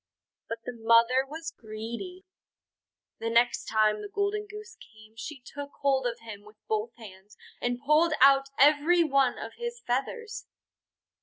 But the mother was greedy. The next time the Golden Goose came she took hold of him with both hands, and pulled out every one of his feathers.